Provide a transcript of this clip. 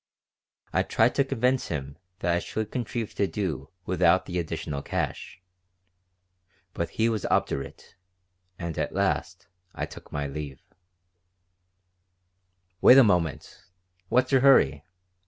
I tried to convince him that I should contrive to do without the additional cash. But he was obdurate, and at last I took my leave "Wait a moment! What's your hurry?